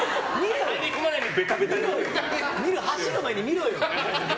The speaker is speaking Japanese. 走る前に見ろよ。